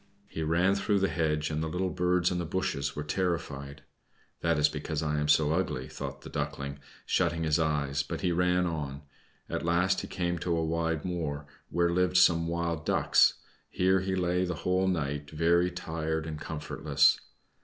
He ran through the hedge, and the little birds in the bushes were terrified. "That is because I am so ugly," thought the Duckling, shutting his eyes, but he ran on. At last he came to a wide moor, where lived some Wild Ducks; here he lay the whole night, very tired and comfortless.